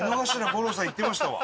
五郎さん行ってましたわ。